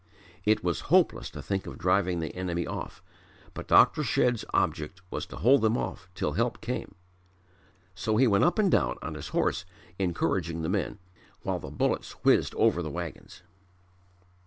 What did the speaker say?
It was hopeless to think of driving the enemy off but Dr. Shedd's object was to hold them off till help came. So he went up and down on his horse encouraging the men; while the bullets whizzed over the wagons.